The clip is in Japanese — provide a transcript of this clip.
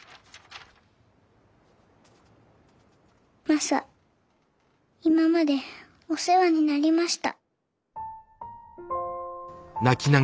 「マサ今までお世話になりました」。